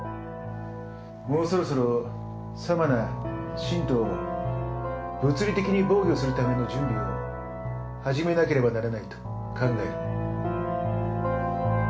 もうそろそろサマナ信徒を物理的に防御するための準備を始めなければならないと考える。